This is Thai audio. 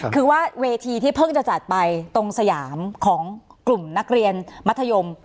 คือว่าเวทีที่เพิ่งจะจัดไปตรงสยามของกลุ่มนักเรียนมัธยม